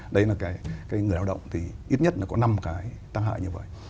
đấy là cái người lao động thì ít nhất là có năm cái tác hại như vậy